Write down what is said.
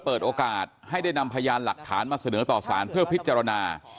เปิดโอกาสให้ได้นำพยานหลักฐานมาเสนอต่อสารเพื่อพิจารณา